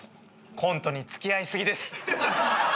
コントに付き合いすぎです。